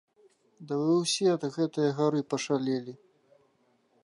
Ды вы ўсе ад гэтае гары пашалелі!